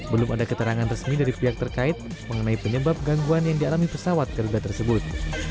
belum ada keterangan resmi dari pihak terkait mengenai penyebab gangguan yang dialami pesawat garuda tersebut